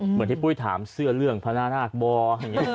เหมือนที่ปุ้ยถามเสื้อเรื่องพญานาคบอร์